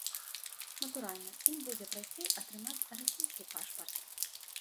Натуральна, ім будзе прасцей атрымаць расійскі пашпарт.